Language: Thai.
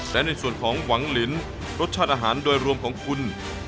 และในส่วนของหวังลินรสชาติอาหารโดยรวมของคุณ